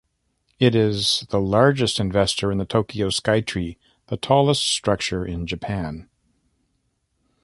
It is the largest investor in the Tokyo Skytree, the tallest structure in Japan.